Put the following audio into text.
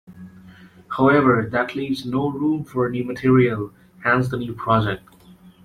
However, that leaves no room for new material - hence the new project.